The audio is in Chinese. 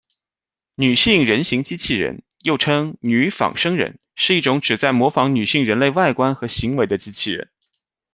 女性人形机器人，又称女仿生人，是一种旨在模仿女性人类外观和行为的机器人。